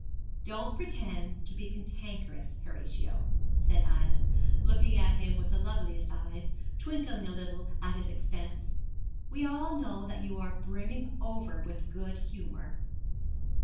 'Don't pretend to be cantankerous, Horatio,' said Ida, looking at him with the loveliest eyes, twinkling a little at his expense; 'we all know that you are brimming over with good humour.